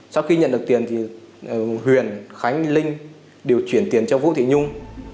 sau khi nhận được tiền thì huyền khánh linh đều chuyển tiền cho vũ thị nhung